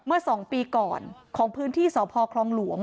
เมื่อ๒ปีก่อนของพื้นที่สพคลองหลวง